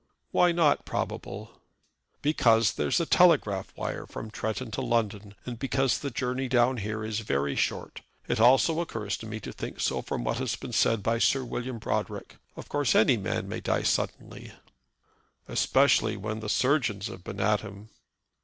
"Why not probable?" "Because there's a telegraph wire from Tretton to London; and because the journey down here is very short. It also occurs to me to think so from what has been said by Sir William Brodrick. Of course any man may die suddenly." "Especially when the surgeons have been at him."